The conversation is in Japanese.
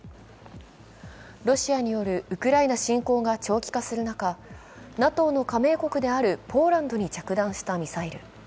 ロシアによるウクライナ侵攻が長期化する中ＮＡＴＯの加盟国であるポーランドに着弾したミサイル。